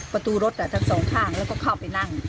ประตูรถทั้งสองข้างแล้วก็เข้าไปนั่ง